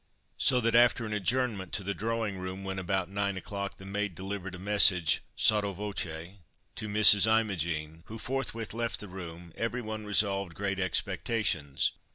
So that after an adjournment to the drawing room, when, about nine o'clock, the maid delivered a message, sotto voce, to Mrs. Imogen, who forthwith left the room, everyone revolved great expectations.